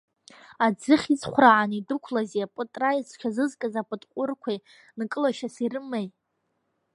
Аӡыхь иҵхәрааны идәықәлази, апытра зҽазызкыз апытҟәырқәеи нкылашьас ирымеи?